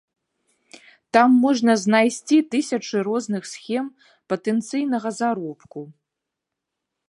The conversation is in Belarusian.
Там можна знайсці тысячы розных схем патэнцыйнага заробку.